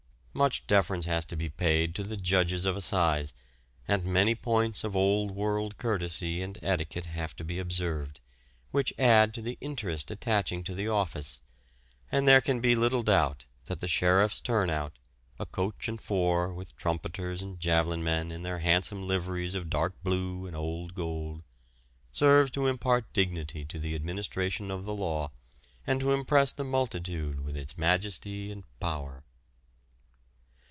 Much deference has to be paid to the Judges of Assize, and many points of old world courtesy and etiquette have to be observed, which add to the interest attaching to the office; and there can be little doubt that the sheriff's turn out a coach and four, with trumpeters and javelin men in their handsome liveries of dark blue and old gold serves to impart dignity to the administration of the law, and to impress the multitude with its majesty and power.